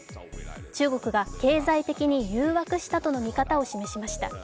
中国が経済的に誘惑したとの見方を示しました。